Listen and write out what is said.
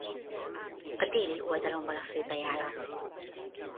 A déli oldalon van a főbejárat.